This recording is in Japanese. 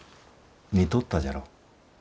似とったじゃろう。